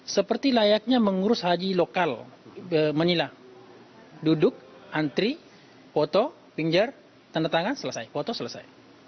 seperti layaknya mengurus haji lokal menilang duduk antri foto pinggir tanda tangan selesai foto selesai